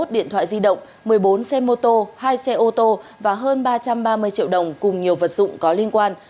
hai mươi điện thoại di động một mươi bốn xe mô tô hai xe ô tô và hơn ba trăm ba mươi triệu đồng cùng nhiều vật dụng có liên quan